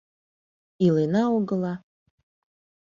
Илена огыла.